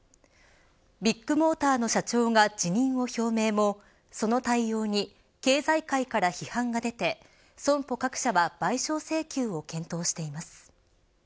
ビッグモーターの社長が辞任を表明もその対応に経済界から批判が出て損保各社は賠償請求を検討しています。